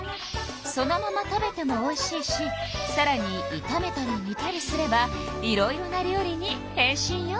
そのまま食べてもおいしいしさらにいためたりにたりすればいろいろな料理に変身よ。